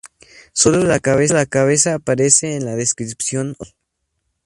Solo la cabeza aparece en la descripción oficial.